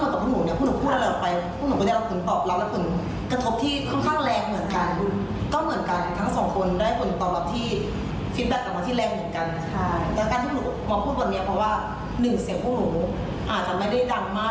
แต่การที่หนูมาพูดวันนี้เพราะว่าหนึ่งเสียงพวกหนูอาจจะไม่ได้ดังมาก